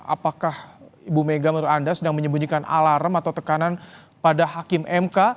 apakah ibu mega menurut anda sedang menyembunyikan alarm atau tekanan pada hakim mk